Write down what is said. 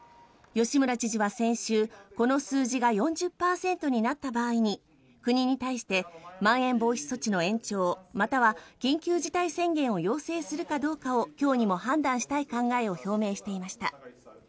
吉村知事は先週この数字が４０％になった場合に国に対してまん延防止措置の延長または緊急事態宣言を要請するかどうかを今日にも判断したい考えを表明していました。